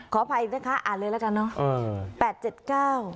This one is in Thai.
ขออภัยนะคะอ่านเลยละกันเนอะ